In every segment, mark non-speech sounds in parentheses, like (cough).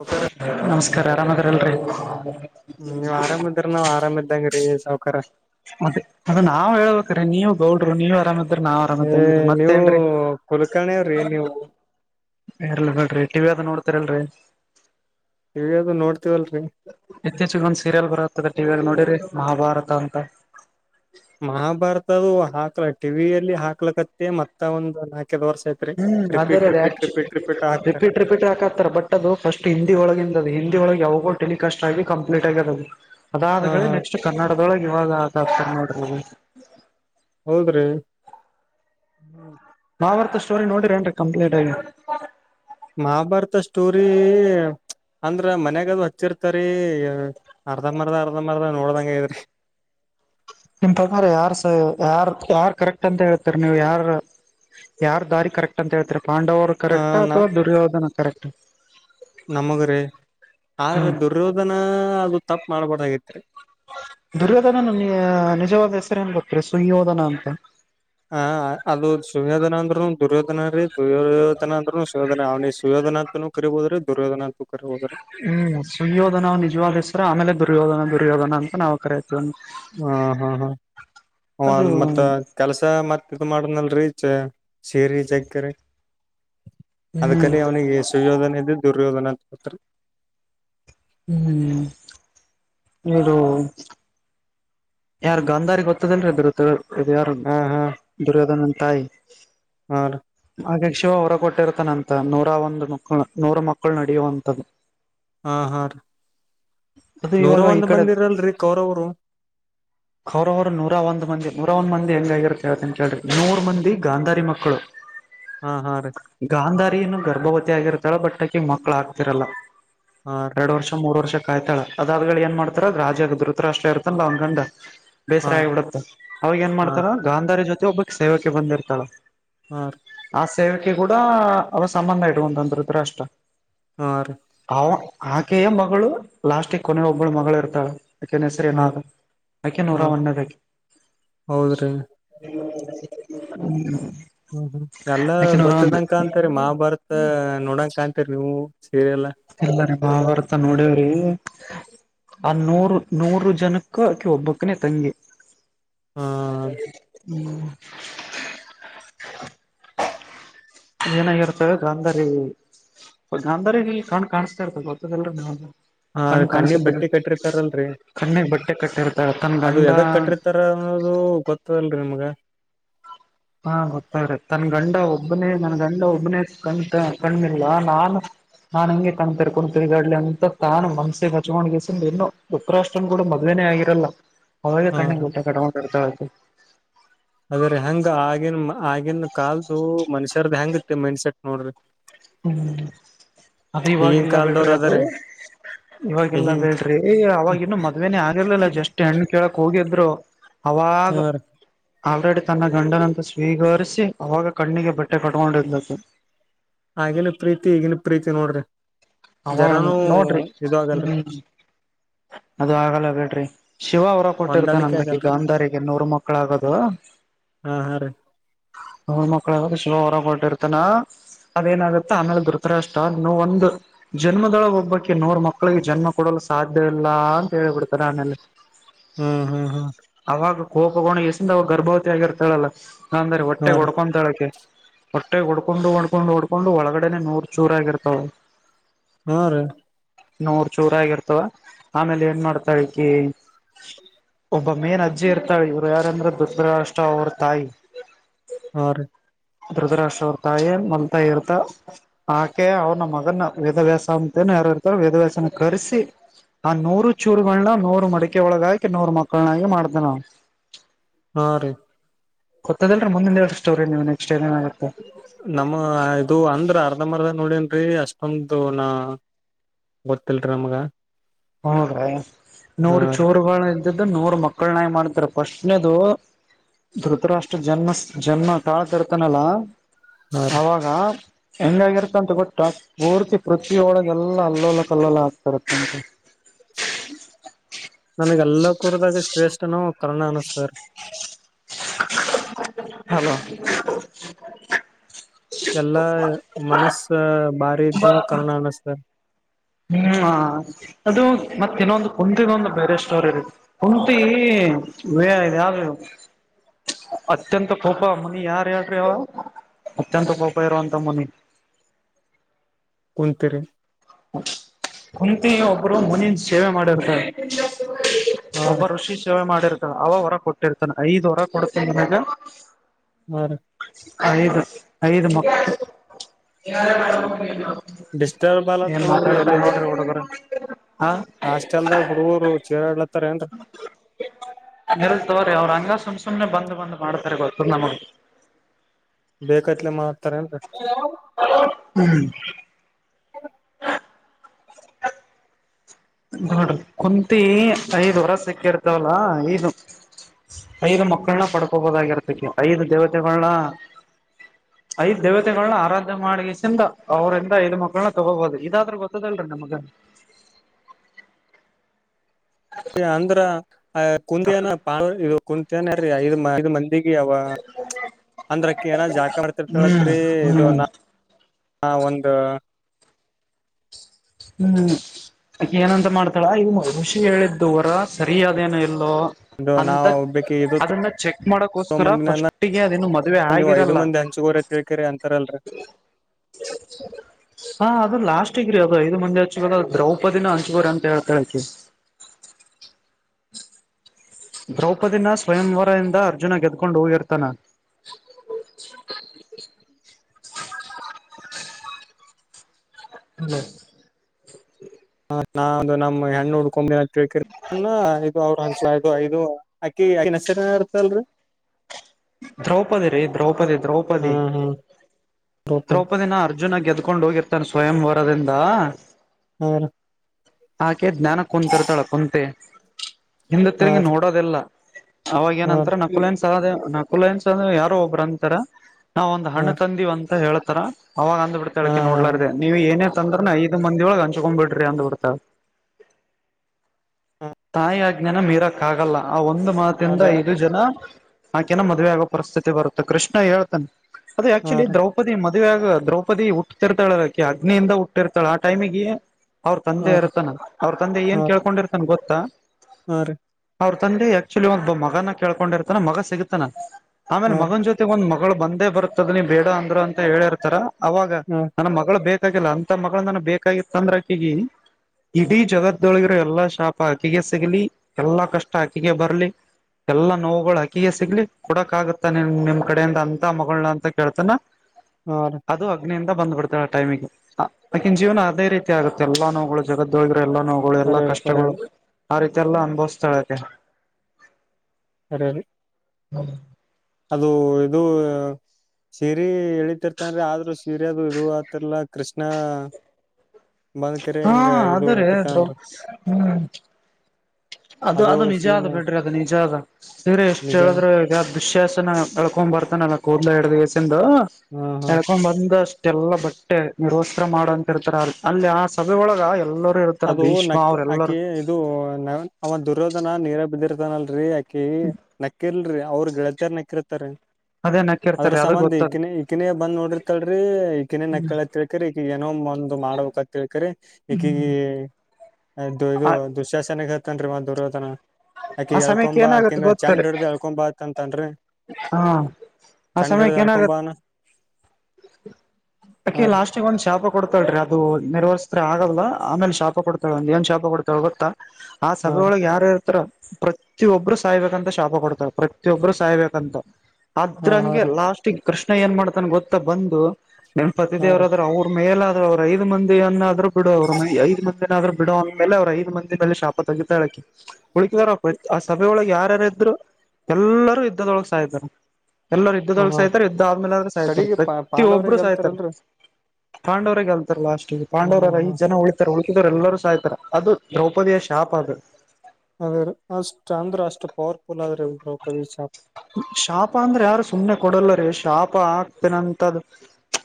ಸೌಕಾರ ನಮಸ್ತೆ ರ್ ಆರಾಮ್ದ್ರ ಅಲ್ರರಿ, ಹ್ಮ್ ನೀವ್ ಆರಾಮ ಇದಿದ್ರ ನಾವ್ ಆರಾಮ ಇದ್ದಂಗ್ರೀ ಸ್ವಲ್ ರ ಅದೇ ಅದ ನಾವ್ ಹೇಳ್ಬೇಕ್ರೆ ನೀವು ಗೌಡ್ರು ನೀವ ಆರಾಮ ್ರ ನಾವವು್ ಏ ಆರಾಮಂಗಿದ ಮತ್ತ ನೀವು ಏನ್ೀ ಕುಲಕರ್ಣಿವ್ರಿ ನೀವು ಎಿ ಟಿವ ಆದಾದ ನೋಡ್ತಾರಲ್ರರಿ, ಹ ನೋಡ್ ಇತ್ತೀಚಿಗ ಒಂದ್ ಸೀರಿಯಲ್ ಬರುತ್ತದೆ ಟಿವಿಯಲ್ಲಿ ನೋಡಿರಿ ಮಹಾಭಾರತ ಕ ಮಹಾಭಾರತ ಅದು ಹಾಕ್ಲ ಟಿವಿಯಲ್ಲಿ ಹಾಕ್ಲಕತ್ತ ಮತ್ತ ಒಂದ ಹ್ಮ್ ಆದದೇ ಅದ ಆಕ್ ರಿಪೀಟ್ ಹಾಕ್ತಾರ ರಿಪೀಟ್ ರಿಪೀಟ್ ಹಾಕತಾರ ಬಟ್ ಅದು ಫಸ್ಟ್ ಹಿಂದಿ ಒಳಗಿಂದದ ಹಿಂದಿ ಒಳಗೆ ಅವ ಟೆಲ ಕಾಸ್ಟ್ ಆಗಿ ಕಂಪ್ಲೀಟ್ ಆಗಿರೋದು, ಹಾ ಅದಾದಳೆ ಹಾ ನೆಕ್ಸ್ಟ್ ಕನ್ನಡದೊಳಗೆ ಇವಾಗ ಆ ಆತದೆ ನೋಡ್ರಿ, ಹ್ಮ ಹೌದ್ರಿ, ಹ್ಮ ನಾವರ್ತ ಸ್ಟೋರಿ ನೋಡ್ರಿ ಏನ್ರಿ ಕಂಪ್ಲೀಟ್ ಆಐ, ಮಹಾಭಾರತ ಸ್ಟೋರಿ ಅಂದ್ರ ಮನ್ಯಾಗದ ಹಚ್ಚಿರ್ತರಿೀ ಅರ್ಧ ಮರ್ಧ ಅರ್ಧ ಮರ್ದ ನೋಡ್ದಂಗ ಇದದ್ರಿ. ನಿಮ ಪ ಯಾರ್ ಸ ಯಾರ್ ಯಾರ್ ಕರೆಕ್ಟ್ ಅಂತ ಹೇಳ್ತರಿ ನೀ್ ಯಾರ ಯಾರ್ ದಾರಿ ಕರೆಕ್ಟ್ ಅಂತ ಹೇಳ್ತೀರಿ. ಪಾಂಡವರು ಆ ಕರೆಕ್ಟ್ ಅಥವಾ ದುರ್ಯೋಧನ. ಕಕ್ಟ್ ನಮಗ್ರೀ ಆದ್ರೆ ದುರ್ಯೋಧನ ಅದು ತಪ್ಪ ಮಾಡ್ಬೋದಾಗಿತ್ರಿ. ದುರ್ಯೋಧನ ನಿಜವಾದ ಹೆಸರ ಏನ್ ಗೊತ್ತರಿ ಸುಯ್ಯೋಧನ ಅಂತ ಹ ಅದು ಸೂರ್ಯೋಧನ ಅಂದ್ರರು ದುರ್ಯೋಧನೀ ವ ತನಂದ್ ಅವ ಸುಯೋಧನ ಅಂತನು ಕರೀಬುದ್ರಿ ದುರ್ಯೋಧನಂತ, ಹ್ಮ್ ಸುಯ್ಯೋದ ಅವನ್ ನಾವು ನಿಜವಾದ ಹೆಸರ ಆಮೇಲೆ ದುರ್ಯೋಧನದುರ್ಯೋನ ಅಂತ ನಾ ಕರೆ ಹ್ಮ ಹ್ಮ ಅದು ಹ್ಮ ಮತ್ತ ಕೆಲ್ಸ ಮತ್ ಇದ್ ಮಾಡದ್ನಲ್ರಿ ರಿಚೆ ಶೇರಿಜೇಕ್ಕರೆ ಹ್ಮ್ ಅದ್ಕಲ್ಲಿ ಅವನಿಗೆ ಸುಯ್ಯುದನ ಇದೆ ದುರ್ಯದನ ತ್ರ ಹ್ಮ್ (inaudible) ಯಾರು ಗಂಧಾರಿ ಗೊತ್ತತದಲ್ರಿ ದೃತ್ರ್ ಇದು ಯಾರು ಹಾ ಹಾ ದುರ್ಯೋಧ ನನ್ ತಾಯಿ ಹಾ ರೀ ಹಾಗ ಶಿವ ಹೊರ ಕೊಟ್ ಟ್ಟಿರ್ತಾನಂತ ನೂರ ಒಂದು ಮಕ್ಕಳ ನೂರ ಮಕ್ಕಳು ನಡೆಯುವಂತ್ದು ಹಾ ಹಾ ರ್ ಅದು ನೂರ ಇವಾಗ ಒಂದ್ ಮಂದಿರಲ್ರಿ ಕರವರು ಅವರವರು ನೂರ ಒಂದ್ ಮಂದಿ ನೂರ ಒಂದ್ ಮಂದಿ ಹೆಂಗಾಗಿರುತ್ತೆ ಯತ್ತನ್ ಕೇಳ್ರಿ ನೂರ ಮಂದಿ ಗಾಂಧಾರಿ ಮಕ್ಕಳು ಹಾ ಹಾ ರೀ ಗಾಂಧಾರಿ ನ ಗರ್ಭವತ್ ಆಗಿರತ್ತಾಳೆ ಬಟ್ ಅಕಿ ಮಕ್ಳ ಆಗ್ತಿರಲ್ಲ ಹಾ ರೀ ಎರಡು ವರ್ಷ ಮೂರು ವರ್ಷ ಕಾಯ್ತಾಳ ಅದಾದ್ಗಳು ಏನ್ ಮಾಡ್ತಾರ ರಾಜಾಗ ದುರತ ಅಷ್ಟ ಇರುತಲ್ಲ ಅಂವನ್ಗಂಡ ಹಾ ಬೇಸರ ಆಗಿಬಿಡುತ್ತೆ ಅವಾಗ ಏನ್ ಹಾ ಮಾಡ್ತಾರ ಗಾಂಧಾರಿ ಜೊತ ಒಬ್ಬಕ್ಕಿ ಸೇವಕ್ಕಿ ಬಂದಿರ್ತಾಳ ಹ ಆ ಸೇವೆಕಕ್ಕಿ ಕೂಡ ಅವ ಸಂಬಂಧ ಇಡುವಂತಂದ್ರತ ಅಷ್ಟ ಹ ಅವ ಆಕೆಯ ಮಗಳು ಲಾಸ್ಟಿ ಕೊನೆ ಒಬ್ಬಳ ಮಗಳ ಇರ್ತಾಳ ಅಕ್ಕಿನ ಹೆಸರಿ ಹಾ ಎನ್ದ ಅಕೆ ಹಾ ನೂರಾ ಒಂದದಕಿ ಹೌದ್ರಿ (inaudible) ಹ್ಮ್ ಹ್ಮ್ ಹ್ಮ್ ಎಲ್ಲ ಗೊತ್ತಿದನಕ ಅಂತರಿ ಮಹಾಭಾರತ ನ ನೋಡಂಗ ಕಾಣ್ತೀರಿ ನೀವು ಸೀರಿಯಲ್ ಎಲ್ಲರಿ ಬಾರ್ ನೋಡವ್ರಿ ಆ ನೂರು ನೂರು ಜನಕ್ಕ ಅಕಿ ಒಬ್ಬಕ್ಕನೇ ತಂಗಿ ಹಾ ಹ್ಮ- ಏನಾಗಿರ್ತವೆ ಗಾಂಧಾರಿ ಗಾಂಧಾರಿ ಕ್ ಕಾನಸ್ತ್ರಿತಾ ಇರ್ತ ಗೊತ್ತದಲ್ರ ನೀ ಹ ಕಣ್ಣಿ ಬಟ್ಟಿ ಕಟ್ಟಿತಾರಲ್ರಿ ಕಣ್ಣಿಗೆ ಬಟ್ಟೆ ಕಟ್ಟಿರ್ತಾರ ತನ್ ಅದು ಗಂಡ ಎದಕ್ ಕಟ್ಟಿತಾರ ಅನ್ನೋದು ಗೊತ್ತಲ್ ನಿಮಗೆ ಹಾ ಗೊತ್ತಾದ್ರೆ ತನ್ ಗಂಡ ಒಬ್ಬನೇ ನನ್ನ ಗಂಡ ಒಬ್ಬನೇ ಕಣ್ತ ಕಣಿಲ್ಲ ನಾನು ನಾನ್ ಹಂಗೆ ಕಣ್ತರ್ಕ ತಿಗಾಡ್ಲಿ ಅಂತ ತಾನು ಮನ್ಸಿಗೆ ಹಚಣ್ಗಸ ಇನ್ನು ದೃತಾರಾಷ್ಟ್ರನ್ ಕೂಡ ಮದ್ವೆನನೆ ಆಗಿರಲ್ಲ ಅದ್ರಲ್ಲೂ ಹ ಕಣ್ಣಿಗೆ ಬ್ಬತ್ತೆ ಕಟ್ಕೊಂಡ್ ಇರ್ತಾಳ್ ಅವ್ಳು ಸ (inaudible) ಅದ್ರ ಹಂಗ ಆಗನ್ ಆಗಿನ ಕಾಲ್ದುು ಮನ್ಷ್ಯರದ ಹೆಂಗ ಮೈನ್ಡಸೇಟ್ ನೋಡ್ರಿ ಹ್ಮ್ ಅದ ಈಗಿನ ಇವವಾಗಿಲ್ಲ ಕಾಲ್ದವ್ರ ಬಿೇಡ್ರಿ ಅದ ಅದಾರಿ ಇವವಾಗಿಲ್ಲ ಈಗಿನ್ ಬಿೇಡ್ರಿ ಅವಾಗ ಇನ್ನು ಮದ್ೇನೇ ಆಗಿರ್ಲಿಲ್ಲ ಜಸ್ಟ್ ಹೆಣ್ಣ ಕೇಳಕ್ ಹೋಗಿದ್ರು ಹ (inaudible) ಹ ಅವಾಗ ಆಲ್ರೆಡಿ ತನ್ನ ಗಂಡನಂತ ಸ್ವೀಕರಿಸಿ ಅವಾಗ ಕಣ್ಣಿಗೆ ಬಟ್ಟೆ ಕಟ್ಕೊಂಡಿದ್ದು ಸರ್ ಹಾಗೇನ ಪ್ರೀತಿ ಈಗಿನ ಪ್ರೀತಿ ನೋಡ್ರಿ ಅವ ಜರಾನು ನೋಡ್ರಿ ಇದು ಆಗಲ್ರಿ ಹ್ಮ್ ಅದು ಆಗಲ್ಲ ಬಿೇಡ್ರಿ ಶಿವ ಅವರ ಹೊಂದಾಣಿಕೆ ಕೊಟ್ಟಿರ್ತನಾಕೇಗಿ ಆಗಲ್ರಿ ಗಾಂಧಾರಿಗೆ ನೂರ್ ಮಕ್ಳ ಆಗದು ಹಾ ಹಾ ರೀ ನೂರು ಮಕ್ಳು ಶಿವ ವರ ಕೊಟ್ಟಿರ್ತಾನ ಅದೇನಾಗುತ್ತ ಆಮೇಲೆ ಧೃತ ರಾಷ್ಟ್ರನ್ನೋ ಒಂದು ಜನ್ಮದೊಳ ಒಬ್ಬಕಕ್ಕೆ ನೂರ್ ಮಕ್ಕಳಿಗೆ ಜನ್ಮ ಕೊಡಲು ಸಾಧ್ಯ ಇಲ್ಲ ಅಂತ ಹೇಳಿಬಿಡ್ತಾರೆ ಆಮೇಲಿ ಹ್ಮ್ ಹ್ಮ್ ಹ್ಮ್ ಕೋಪಗೋಣ ಎಸಿಂದ ಅವ ಗರ್ಭವತಿ ಆಗಿರ್ತಳಲ್ಲ ನಂದ್ರ ಹೊಟ್ಟೆ ಹಾ ರೀ ಹೊಡ್ಕೊಂತಾಳೆ ಹೊಟ್ಟೆ ಹೊಡ್ಕೊಂಡು ಒಡ್ಕೊಂಡು ಹೊಡ್ಕೊಂಡು ಒಳಗಡೆನೆ ನೂರ್ ಚೂರ ಆಾಗಿಿರ್ತಾವ ಅವು ಹಾ ರೀ ನೂರ್ ಚೂರ ಆಗಿರ್ತವ ಆಮೇಲೆ ಏನ್ ಮಾಡ್ತಾಳ ಕಿ ಒಬ್ಬ ಮೇನ್ ಅಜ್ಜಿ ಇರ್ತಾಳೆ ಇವ್ರು ಯಾರಂದ್ರೆ ಧೃತರಾಷ್ಟ್ರ ಅವ್ರ ತಾಯಿ ಹ ಧೃತರಾಷ್ಟ್ರ ಅವ್ರ ತಾಯಿ ಮಲತಾಯಿ ಇರ್ತ ಆಕೆ ಅವ್ರನ ಮಗನ್ನ ವೇದವ್ಯಾಸ ಅಂತೇನ ಯಾರ ಇರ್ತಾರ ವೇದವ್ಯಾಸನ ಕರೆಸಿ ಆ ನೂರು ಚೂರುಗಳನ್ನ ನೂರು ಮಡಿಕೆ ಒಳಗಾಕಿ ನೂರು ಮಕ್ಕಳನಾಗಿ ಮಾಡ್ತಳ ಹಾ ರೀ ಗೊತ್ತದಲ್ರ ಮುಂಡಿದೆರಡು ಸ್ಟೋರಿ ನೀವು ನೆಕ್ಸ್ ಹಲಾಕ್ ನಮ್ಮ ಇದು ಅಂದ್ರ ನಮರ್ದು ನೋಡನ್ರಿ ಅಷ್ಟೊಂದು ನಾ ಗೊತ್ತಿಲ್ರಿ ನಮಗ ಹ ರ ನೋರು ಚೋರು ಇದ ನೂರ್ ಮಕ್ಕಳ ನಾಯ್ ಮಾಡ್ತಾರೆ ಫಸ್ಟ್ನೇದು ಧೃತರಾಷ್ಟ್ರ ಜನ್ಮ ಜನ್ಮ ತಾಳ್ ತಿರ್ತನಲ್ಲ ಹಾ ಅವಾಗ ಹೆಂಗಾಗಿರುತ್ತ ಅಂತ ಗೊಟ್ಟ ಪೂರ್ತಿ ಪ್ರತಿಿಯ ಒಳಗೆ ಎಲ್ಲಾ ಅಲ್ಲೋಲ ಕಲ್ಲೋಲ ಆಗ್ತರತ್ತಂತೆ ಇದೆಲ್ಲ ಕೂರದಾಗ ಶ್ರೇಷ್ಠ ನ ಕರೋನಾ ಅನ್ನಿಸ್ತದ ಹಲೋ ಎಲ್ಲಾ ಮನಸ್ಸ ಕನ್ನಣ ಅತದೆ ಹ ಹ್ಮ್ ಅದು ಮತ್ತ ಇನ್ನೊಂದು ಕುಂತಗ ಒಂದು ಬೇರೆ ಸ್ಟೋರಿರಿ ಕುಂತಿ ವ ಯಾವ ಅತ್ಯಂತ ಕೋಪ ಮುನಿ ಯಾರ್ ಹೇಳ್ರಿ ಅವ ಅತ್ಯಂತ ಕೋಪ ಇರುವಂತ ಮುನಿ ಕುಣಂತೆರೆ ಕುಂತಿ ಒಬ್ರು ಮನಿಂದ ಸೇವೆ ಮಾಡ ಸ ಹ ಒಬ್ಬ ರುಷಿ ಸೇವೆ ಮಾಡಿರುತ್ತೆ. ಅವ ಹೊರ ಕೊಟ್ಟಿರ್ತಾನ ಐದ್ ವರ ಕೊಡ್ತ ನಿಗ ಹ್ಮ ಐದು ಐದು ಮಕ್ಕ ಡಿಸಟರ್ಬ ಅಲ್ಲ ನೋಡ್ರಿ ಎಲ್ಲಿದ್ರಿ ಹುಡುಗರು ಹ ಹಾಸ್ಟೆಲ್ದಾಗ ಹುಡುಗರು ಚಿರಳ್ಳ ಮರತವ್ರೀ ಅವ್ರ ಹಂಗ ಸುಮ್ ಸುಮ್ನೆ ಬಂದ್ ಬಂದ್ ಮಾಡ್ತಾರೆ ಗೊತ್ತ ನಮ ಬೇಕತ್ಲೆ ಮಾಡ್ತಾರೇನ್ರಿ, ಹ್ಮ್ ನೋಡ್ರಿ ಕುಂತಿ ಐದ್ ವರ ಸಿಕ್ಕಿರ್ತವಲ್ಲ ಐದು ಐದ ಮಕ್ಕಳನ ಪಡ್ಕೋಬೋದಾಗಿರ್ತಕ್ಕೆ ಐದ ದೇವತೆಗಳನ ಐದ್ ದೇವತೆಗಳ್ನ ಆರಾಧ ಮಾಡಗಸಿಂದ ಅವ್ರಂದ ಐ್ ಮಕ್ಕಳನ್ನ ತಗೋಬೋದು ಇದಾದ್ರೂ ಗೊತ್ತದಲ್ರಿ ನಮಗ ಅಂದ್ರ ಆ ಕುಂದಿಯಾನ ಪ ಇ ಕು ಿ ಇದಗ ಯಾವ ಅಂದ್ರಕ್ಕ ಏನ ಜಾಕ ಹ್ಮ್ ಆಡ್ತಿರ್ತಳತ್ರಿ ಇದು ಹ್ಮ್ ನಾ, ಹಾ ಒಂದು, ಹ್ಮ್ ಏನಂತ ಮಾಡ್ತಾಳ ಈಗ ಋಷಿ ಹೇಳಿದ್ದು ವರ ಸರಿ ಅಾದೇನ ಇ ಇದು ನಾವ್ ಒಬ್ಬಕಿ ಇದು ಅ ಚಕ್ ಮಾಡ ತಗೊಂಬಂದಿನ ಮದ ನೀವ್ ಐದು ಆಗಿರಲ್ಲ, ಮಂದಿ ಹಂಚ್ಕೋರಿ ತಿಳ್ಕರಿ ಅಂತಾರಲ್ರಿ ಅದು ಲಾಸ್ ಗ್ರ ಅದು ಐದು ಮಂದಿ ಹಚ್ುವಲ್ಲ ದ್ರೌಪದಿನ ಹಂಚುವೋರ ಅಂತ ಹೇಳ್ತಾಳಕ ದ್ರೌಪದಿನ ಸ್ವಯಂವರದಿಂದ ಅರ್ಜುನ ಗೆದ್ಕೊಂಡು ಹೋಗಿರ್ತಾನ ಹ್ಮ ನಾು ನಮ್ಮ್ ಹೆಣ್ಣು ಹುಡ್ಕೊಂಬಿನ ಇದು ಅವ್ರ ಹಂತಲ ಇದು ಐದು ಅಕಿ ಅಕಸ ಇರ್ತಲ್ರಿ. ದ್ರೌಪದಿ ರೀ ದ್ರೌಪದಿ ದ್ರೌಪದಿ ಹ್ಮ್ ಹ್ಮ್ ರೂಪದ್ ದ್ರೌಪದಿನ ಅರ್ಜುನ ಅಜುನ ಗೆದ್ಕೊಂಡ್ ಹೋಗಿರ್ತಾನ ಸ್ವಯಂ ವರದಿಂದ ಹ ಆಕೆ ಜ್ಞಾನ ಕುಂತರ್ತಾಳ ಕುಂತೆ ಹಿಂದ ತಿರುಗಿ ಹಾರಿ ನೋಡೋದೆಲ್ಲ ಅವಾಗ ಹಾರಿ ಏನಂತರ ನಕುಲ ಏನ್ ಸಹ ಕುಲಾಯನ್ಸಂದ ಯಾರು ಒಬ್ಬ್ರ ಅಂತಾರ ನಾವ್ ಒಂದ ಹಣ್ಣ ಹಾರಿ ತಂದಿವಿ ಅಂತ ಹೇಳ ಉರ ಅವಾಗಂದ್ಬ ಹಾ ಬಿಡ್ತಾಳಕ್ಕೆ ನೋಡ್ಲಾರ್ರದೆ ನೀವು ಏನೇ ತಂದ್ರ ಐದು ಮಂದಿ ಒಳಗೆ ಹಂಚ್ಕೊಂಡ್ ಬಿಡ್ರಿ ಅಂದ ಬಿಡ್ತಾವ ತಾಯಿ ಅಜ್ಞಾನ ಮೀರಕ್ ಆಗಲ್ಲ ಆ ಒಂದು ಮಾತಿಂದ ಅದ ಐದು ಜನ ಏನ ಮದ್ವೆ ಆಗೋ ಪರಿಸ್ಥಿತಿ ಬರುತ್ತೆ ಕೃಷ್ಣ ಹೇಳ್ತಾನನೆ ಅದ ಆಕ್ಚುಲಿ ಹಾರಿ ದ್ರೌಪದಿ ಮ ಮದ್ಯಾಗ ದ್ರೌಪದಿ ಹುಟ್ಟತಿರ್ತಾಳೆ ಅಗ್ನಿಯಿಂದ ಹುಟ್ಟಿರ್ತಾಳ ಆ ಟೈಮಿಗೆ ಅವ್ರ ತಂದ ಹಾರಿ ಇತಾನ ಅವ್ರ ತಂದೆ ಏನ್ ಕೇಳ್ಕೊಂಡಿರ್ತಾನೆ ಗೊತ್ತ ಹಾ ಹಾ ರೀ ತಂದೆ ಆಕ್ಚುಲಿ ಒ ಮಗನ ಕೇಳ್ಕೊಂಡಿರ್ತಾನೆ ಮಗ ಸಿಗುತ್ತ ನಾ ಆಮೇಲೆ ಹಾರಿ ಮಗನ ಜೊತೆ ಒಂದಂದು ಮ ಮಗಳು ಬಂದೇ ಬರ್ತದ ನೀ ಬೇಡ ಅಂದ್ರರು ಅಂತ ಹೇಳಿರ್ತಾರ ಅವಾಗ ಹಾರಿ ನನ್ನ ಮಗಳು ಬೇಕು ಗಿಲ್ಲ ಅಂತ ಮಗಳ ನನ ಬೇಕಾಗಿತ್ತ ಅಂದ್ರೆ ಅಕ್ಕಿಗಿ ಇಡೀ ಜಗದೊಳಗಿರೋ ಎಲ್ಲಾ ಶಾಪ ಅಕ್ಕಿಗೆ ಸಿಗ್ಲಿ ಎಲ್ಲಾ ಕಷ್ಟ ಅಕ್ಕಿಗೆ ಬರ್ಲಿ ಎಲ್ಲಾ ನೋವುಗಳು ಅಕ್ಕಿಗೆ ಸಿಗ್ಲಿ ಕೊಡಕ್ ಆಾಗುತ್ತ ನಿನ್ ನಿಮ್ ಕಡೆಯಿಂದ ಅಂತ ಮಗಳನ ಅಂತ ಕೇಳ್ತಾನ ಹಾರಿ ಅದು ಅಗ್ನೆ ಬಂದ್ ಬಿಡ್ತೆ ಆ ಟೈಮಿಗೆ ಆಕಿನ ಜೀವನ ಅದೇ ರೀತಿ ಆಗುತ್ತೆ ಎಲ್ಲ ನೋವುಗಳು ಜಗತಾ ಎಲ್ಲಾ ನೋಗಳು ಎಲ್ಲಾ ಕರೆರಿ ಕಷ್ಟಗಳು ಕರೆರಿ ಆ ರೀತಿ ಎಲ್ಲ ಅನ್ಭವಿಸಸ್ತಾಲೆ ಕರೆ ರಿ (inaudible) ಅದು ಇದು ಸೀರೆ ಎಳಿತಿರ್ತನ್ ಆದ್ರೂ ಸೀರೆ ಅದು ಇದು ಆಗ್ತಿರ್ಲ ಕೃಷ್ಣ ಬಂದ್ ಕರೆ ಹಾ ಹಿಂಗ ಇದು ಅದ್ರ್ರು ಇಟ್ಟಿತಾನಲ್ರಿ ಹ್ಮ್ ಅದು ಅದು ನಿಜ ಆದ ಬಿಡ್ರಿ ಅದು ನಿಜ ಆದ ಸೀರೆ ಎಷ್ಟು ನಿಜ ಹೇಳಿದ್ರೆ ವಿಶಾನ ಎಲಕೊಂಡು ಕಳ್ಕೊಂಡ್ ಬರ್ತಾನ ಅನ ಕದಲ ಇಡಕೊಂಡು ಹಾ ಹಾ ಎಳಕೊಂಡು ಬಂದು ಎಲ್ಲಾ ಬಟ್ಟೆ ನಿರ್ವಸರ ಮಾಡಂತ ಇರ್ತಾರ ಅ ಅಲ್ಲಿ ಆ ಸಭೆೊಳಗ ಎಲ್ಲರ ಅದು ನ ಹಾಕಿ ಇದು ನ ಅವನ್ ದುರೋದನ ನೀರ ಬಿದ್ದಿರ್ತಾನಲ್ರಿ ನಕ್ಕಿಲ್ರಿ ಅವ್ರ ನಕಿರ್ತಾರೆ ಅದೇ ಅದ್ರ ನಕ್ಕಿರ್ತಾರೆ ಅದ ಸಂಬಂಧ ಗೊತ್ತದ ಈಕಿನ ಈಕಿನ ಬಂದ್ ನೋಡಿರ್ತಲ್ರಿ ಈಕಿನ ನಕ್ಕಲಾ ಅಂತ ಹೇಳಿ ಏನೋ ಒಂದ್ ಮಾಡ್ಬೇಕು ಅಂತ ಹೇಳ್ಕ್ರರಿ ಈಕಿಗಿ ದು ಇದು ದುಶಾಸನ್ ನನಗ್ ಹತ್ತನ್ ಮತ್ ದುರ್ಯೋದನ ಆ ಸಮಯಕ್ಕೆ ಏನಾಗತ್ ಗೊತ್ತತರಿ ಹಿಡ್ದ್ ಎಳ್ಕೊಂಬ ಅಂತನ್ರಿ ಹ ಆ ಚಂಡ್ ಹಿಡ್ದ್ ಸಮಯಕ್ಕೆ ಏನಾಗತ್ ಎಳ್ಕೊಂಬಾನ ಅಕೆ ಹಾ ರೀ ಲಾಸ್ಟಗ ಒಂದ್ ಶಾಪ ಕೊಡ್ತಾಳಿ ಅದು ನೆರ್ವ ಅೆ ಆಗಲ್ಲ್ಲ ಆಮೇಲೆ ಶಾಪ ಕೊಡ್ತೇವೆ ಒಂದು ಏನ್ ಶಾಪ ಕೊಡತಾಳೆ ಗೊತ್ತ? ಆ ಹಾ ರೀ ಸಭೆೊಳಗ್ ಯಾರ ಇರ್ತಾರ ಪ್ರತಿಯೊಬ್ರುೂ ಸಾಯ್ಬೇಕಂತ ಶಾಪ ಕೊಡ್ತಾರೆ ಪ್ರತಿಯೊಬ್ಬರುೂ ಸಾಯ್ಬೇಕಂತ ಹಾ ಹಾ ಅದ್ರಂಗೆ ರೀ ಲಾಸ್ಟ್ ಕೃಷ ಏನ್ ಮಾಡ್ತಾನ ಗೊತ್ತಾ ಬಂದು ನಿಮ್ಮ್ ಪತಿ ಹಾ ರೀ ದೇವ್ರ್ರ ಅವ್ರ ಮೇಲ ಅವ್ರ ಐದ ಮಂದಿ ಅನ್ನದ್ರ ಕಡ ಅವ್ರ ಐದು ಮಂದಿ ನ ಆದ್ರ್ ಬಿಡೋ ಅಂದ್ಮೇಲೆ ಅವ್ರ ಐದು ಮಂದಿ ಮೇಲೆ ಶಾಪ ತಗಿತಾಳೆ ಆ ಸಭೆ ಒಳಗೆ ಯಾರ ಇದ್ರು ಎಲ್ಲರೂ ಯುದ್ಧದೊಳಗೆ ಸಾಯ್ತೀರೆ ಎಲ್ಲರು ಹಾ ಯುದ್ಧದೊಳಗೆ ಹಾ ಸಾಯ್ತಾರೆ ಯುದ್ದ ಆದ್ಮೇಲಾದ್ರೆ ಸಾಯ್ತಾರೆ ಕಡೆಗೆ ಪಾ ಪ್ರತಿ ಪಾಂಡವ್ರೇ ಒಬ್ರು ಸಾಯ್ತಾರೆ ಗೆಲ್ತಾರಲ್ರಿ ಪಾಂಡವ್ರರಿಗೆ ಗೆಲ್ತಾರೆ ಲಾಸ್ಟ ಗೆ ಈದು ಪಾಂಡವರ ಹ್ಮ್ ಅವ್ರ್ ಐದ್ ಹ್ಮ್ ಜನ ಉಳಿತಾರೆ ಇದ್ರ ಎಲ್ಲರೂ ಸಾಯ್ತಾರೆ ಅದು ದ್ರೌಪದಿಯ ಶಾಪ್ ಅದು ಅದ್ರ ಅಷ್ಟ್ ಅಂದ್ರ ಅಷ್ಟು ಪವರ್ಫುಲ್ ಆದ್ರೆ್ರ ಪ್ರದೇಶ ಶಾಪ ಅಂದ್ರೆ ಯಾರು ಸುಮ್ನೆ ಕೊಡಲ್ಲರಿೀ ಶಾಪ ಆಕ್ತಿನಂತದ್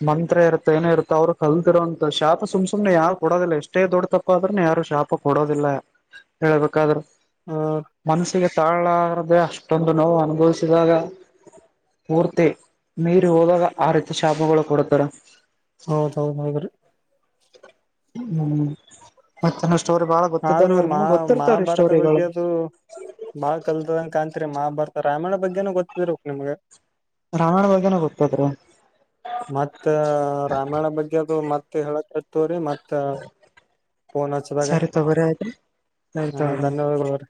ಮಂತ್ರ ಇರ್ತ ಏನೇ ಇರ್ತ ಅವ್ರು ಕಲ್ತಿರೋಂತ ಶಾಪ ಸುಮ್ ಸುಮ್ನೆ ಯಾರು ಕೊಡೋದಿಲ್ಲ ಎಷ್ಟೇ ದೊಡ್ಡ ತಪ್ಪ ಅ್ರನೆ ಯಾರು ಶಾಪ ಕೊಡೋದಿಲ್ಲ ಹೇಳ್ಬೇಕಾದ್ರರು ಹ ಮನಸಿಗೆ ತಾಳಾರದೆ ಅಷ್ಟ ಅಷ್ಟೊಂದು ನೋ ಅನುಭವಿಸ ಪೂರ್ತಿ ಮೀರಿ ಹೋದಾಗ ಆ ರೀತಿ ಶಾಪಗಳು ಕೊಡತಾರ ಹೌದ್ ಹೌದ್ ಹೌದ್ರಿ ಹ್ಮ್ ಮತ್ತ ಆದ್ರೂ ಮಹ ಮಹಾಭಾರತ ಬಗ್ಗೆ ಸ್ಟೋರಿಗಳು ಅದು ಬಾಳ ಕಲ್ದಂಗ ಕಾಣ ಮಹಭಾರತ ರಾಮಾಯಣ ಬಗ್ಗೆನನು ಗೊತ್ತಿದರು ನಿಮ್ಗೆ ರಾಮಾಯಣ ಬಗ್ಗೆನೂ ಗೊತ್ತಾದ್ರಿ ಹೇಳತ್ತರಿ ಮತ್ತೆ ಪನ್ದಾಗ ಸರಿ ತಗೋರಿ ಆಯ್ತ್ರಿ ಸರಿ ಹ ತಗೋರಿ ಆಯ್ತ್. ಧನ್ಯವಾದಗಳು